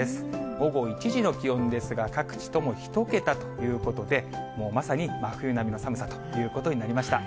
午後１時の気温ですが、各地とも１桁ということで、もうまさに真冬並みの寒さということになりました。